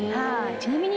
ちなみに。